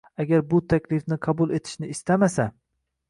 Agar bu taklifni qabul etishni istamasa